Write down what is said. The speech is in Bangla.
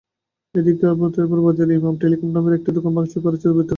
এদিকে আবুতোরাব বাজারে ইমাম টেলিকম নামের একটি দোকান ভাঙচুর করেছে দুর্বৃত্তরা।